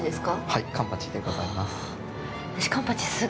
はい、カンパチでございます。